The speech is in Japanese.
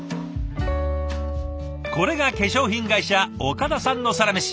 これが化粧品会社岡田さんのサラメシ。